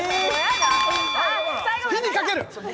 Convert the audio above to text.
火にかける。